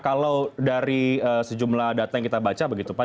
kalau dari sejumlah data yang kita baca begitu pak